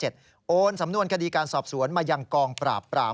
โอนสำนวนคดีการสอบสวนมายังกองปราบปราม